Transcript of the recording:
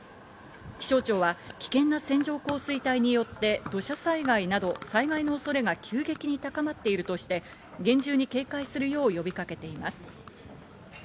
気象庁は危険な線状降水帯によって土砂災害など災害の恐れが急激に高まっているとして、厳重に警戒するよう呼びかけています。